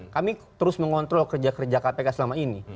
kami terus mengontrol kerja kerja kpk selama ini